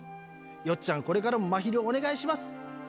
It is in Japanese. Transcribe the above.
よっちゃん、これからもまひるをお願いします。